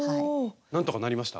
なんとかなりました？